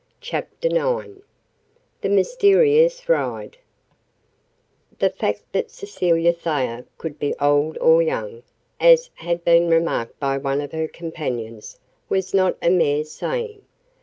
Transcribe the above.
CHAPTER IX THE MYSTERIOUS RIDE The fact that Cecilia Thayer could be old or young, as had been remarked by one of her companions, was not a mere saying.